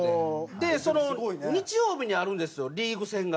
でその日曜日にあるんですよリーグ戦が。